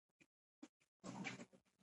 جګړه د وطن اقتصاد ختموي